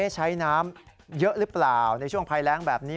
ใช้น้ำเยอะหรือเปล่าในช่วงภัยแรงแบบนี้